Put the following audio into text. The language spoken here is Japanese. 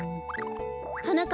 はなか